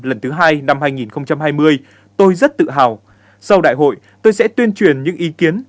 lần thứ hai năm hai nghìn hai mươi tôi rất tự hào sau đại hội tôi sẽ tuyên truyền những ý kiến